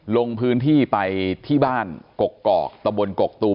ลงพื้นที่ไปที่บ้านกกอกตะบนกกตูม